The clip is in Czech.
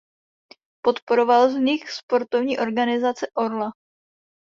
Podporoval vznik sportovní organizace Orla.